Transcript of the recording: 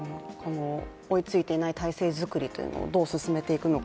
追いついていない体制づくりをどう進めていくのか。